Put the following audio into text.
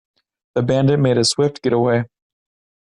The bandit made a swift getaway.